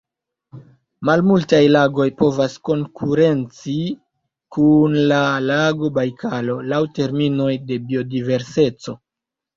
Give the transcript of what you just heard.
Malmultaj lagoj povas konkurenci kun la lago Bajkalo laŭ terminoj de biodiverseco.